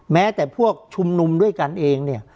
แม้แต่พวกชุมนุมด้วยกันเองเนี่ย